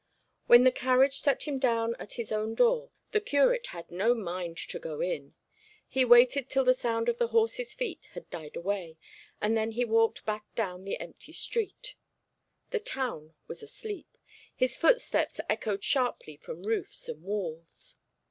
When the carriage set him down at his own door the curate had no mind to go in. He waited till the sound of the horse's feet had died away, and then he walked back down the empty street. The town was asleep; his footsteps echoed sharply from roofs and walls.